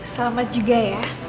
selamat juga ya